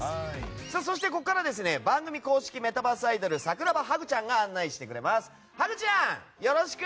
そして、ここからは番組公式メタバースアイドル桜葉ハグちゃんが案内してくれます！